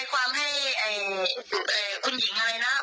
ปี๊กกินไหม